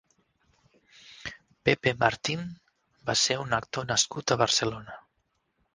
Pepe Martín va ser un actor nascut a Barcelona.